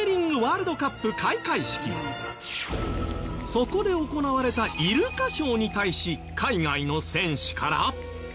そこで行われたイルカショーに対し海外の選手から。